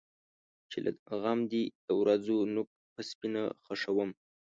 چې له غم دی د ورځو نوک په سینه خښوم.